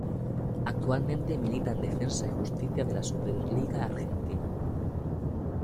Actualmente milita en Defensa y Justicia de la Superliga Argentina.